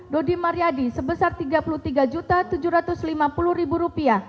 dodi mariadi sebesar rp tiga puluh tiga tujuh ratus lima puluh